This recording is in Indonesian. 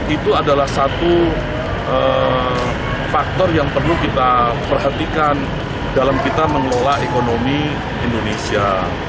itu adalah satu faktor yang perlu kita perhatikan dalam kita mengelola ekonomi indonesia